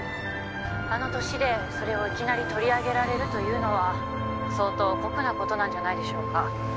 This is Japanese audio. ☎あの年でそれをいきなり取り上げられるというのは☎相当酷なことなんじゃないでしょうか